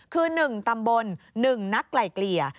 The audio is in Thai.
คือหนึ่งตำบลหนึ่งนักไกล่เกลี่ย